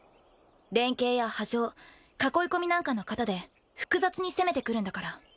連係や波状囲い込みなんかの型で複雑に攻めてくるんだから。